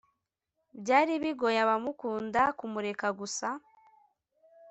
byari bigoye abamukunda kumureka gusa,